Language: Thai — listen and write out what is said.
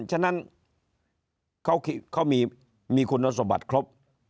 ฉะนั้นเขามีคุณสมบัติครบ